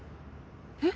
えっ？